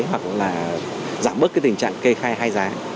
hoặc là giảm bớt cái tình trạng kê khai hai giá